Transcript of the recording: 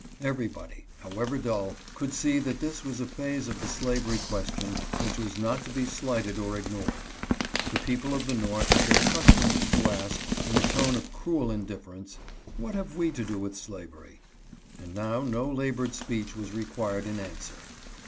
Every body, however dull, could see that this was a phase of the slavery question which was not to be slighted or ignored. The people of the North had been accustomed to ask, in a tone of cruel indifference, " What have we to do with slavery ?" and now no labored speech was required in answer.